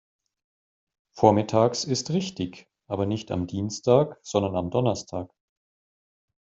Vormittags ist richtig, aber nicht am Dienstag, sondern am Donnerstag.